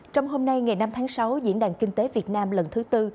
trong hôm nay ngày năm tháng sáu diễn đàn kinh tế việt nam lần thứ tư